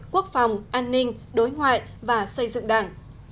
quốc phòng an ninh đối ngoại và xây dựng đảng